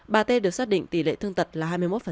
bà tê được xác định tỷ lệ thương tật là hai mươi một